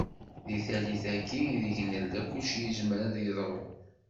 Di tallit-agi ideg nella kullci yezmer a d-yeḍru.